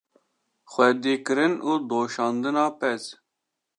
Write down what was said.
xwedîkirin û doşandina pez